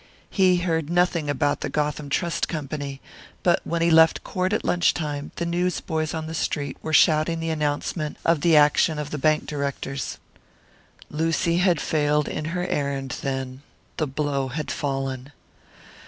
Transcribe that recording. He heard nothing about the Gotham Trust Company; but when he left court at lunch time, the newsboys on the street were shouting the announcement of the action of the bank directors. Lucy had failed in her errand, then; the blow had fallen!